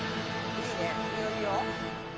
いいよいいよ。